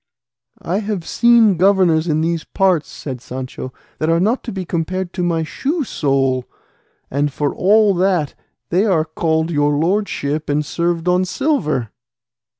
"I have seen governors in these parts," said Sancho, "that are not to be compared to my shoe sole; and for all that they are called 'your lordship' and served on silver."